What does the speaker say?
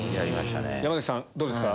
山さんどうですか？